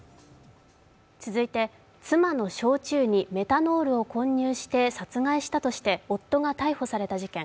続いて、妻の焼酎にメタノールを混入して妻を殺害したとして夫が逮捕された事件。